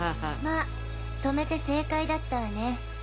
まあとめて正解だったわね。